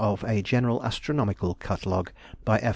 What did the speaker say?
of a General Astronomical Catalogue, by F.